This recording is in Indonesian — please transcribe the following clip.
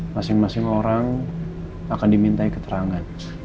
masing masing orang akan dimintai keterangan